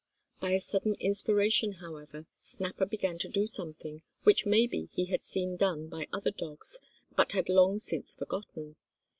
By a sudden inspiration, however, Snapper began to do something, which maybe he had seen done by other dogs, but had long since forgotten.